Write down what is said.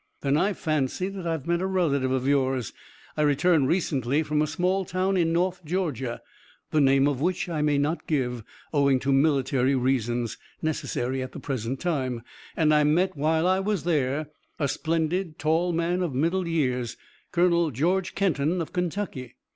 "Then I fancy that I've met a relative of yours. I returned recently from a small town in North Georgia, the name of which I may not give, owing to military reasons, necessary at the present time, and I met while I was there a splendid tall man of middle years, Colonel George Kenton of Kentucky."